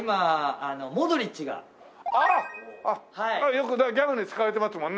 よくねギャグに使われてますもんね。